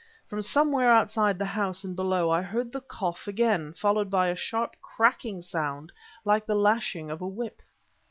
From somewhere outside the house, and below, I heard the cough again, followed by a sharp cracking sound like the lashing of a whip.